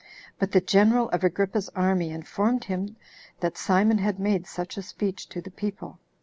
But the general of Agrippa's army informed him that Simon had made such a speech to the people.